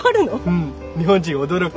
うん日本人驚く。